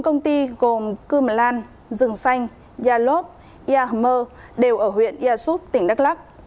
bốn công ty gồm cưm lan rừng xanh gia lốt gia hmer đều ở huyện gia súp tỉnh đắk lắc